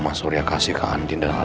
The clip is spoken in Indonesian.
mas surya kasih ke andi dengan alih barang